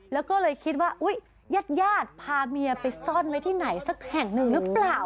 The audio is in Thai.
แล้วก็เลยคิดว่าอุ๊ยญาติญาติพาเมียไปซ่อนไว้ที่ไหนสักแห่งหนึ่งหรือเปล่า